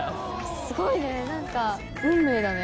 すごいね何か。